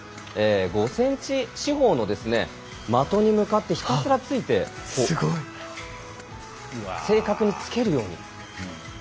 ５ｃｍ四方の的に向かって、ひたすら突いて正確に突けるように。